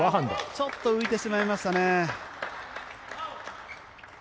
ちょっと浮いてしまいましたね。